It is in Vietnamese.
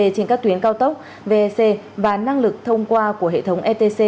trên các tuyến cao tốc vec và năng lực thông qua của hệ thống etc